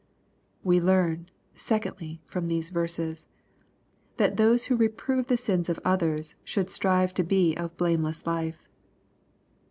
We learn, secondly, from these verses, that those who reprove the sins of others should strive to be of blameless life.